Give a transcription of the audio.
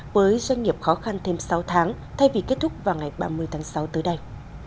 với doanh nghiệp khó khăn thêm sáu tháng thay vì kết thúc vào ngày ba mươi tháng sáu tới đây